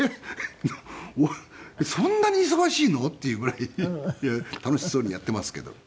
そんなに忙しいの？っていうぐらい楽しそうにやっていますけど。